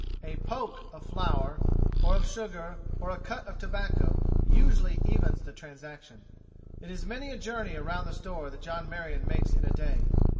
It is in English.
A "poke" of flour or of sugar or a cut of tobacco usually evens the transaction. It is many a journey around the store that John Marion makes in a day.